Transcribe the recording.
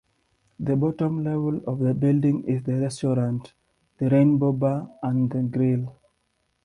The bottom level of the building is the restaurant, The Rainbow Bar and Grill.